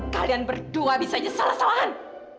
kalian berdua bisa nyesal asal wahan